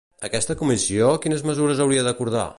Aquesta comissió quines mesures hauria d'acordar?